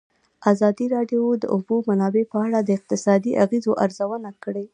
ازادي راډیو د د اوبو منابع په اړه د اقتصادي اغېزو ارزونه کړې.